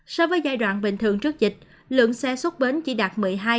so với giai đoạn bình thường trước dịch lượng xe xuất bến chỉ đạt một mươi hai một mươi năm